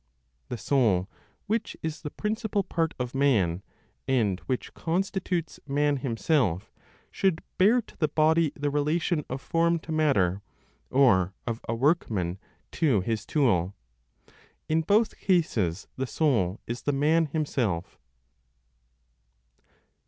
The soul, which is the principal part of man, and which constitutes man himself, should bear to the body the relation of form to matter, or of a workman to his tool; in both cases the soul is the man himself.